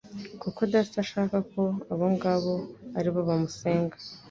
kuko Data ashaka ko abo ngabo ari bo bamusenga.